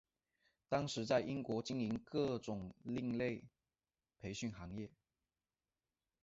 当时在英国经营各种另类培训行业。